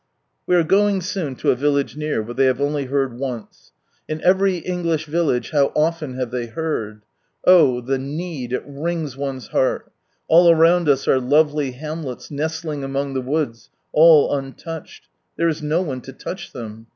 We are going soon to a village near, where they have only heard once. In every English village, how often have they heard ? Oh the need — it wrings one's heart ! All around us are lovely hamlets nestling among the woods, all untouched. There is no one to touch them.